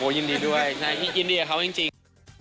ยินดีด้วยยินดีกับเขาจริง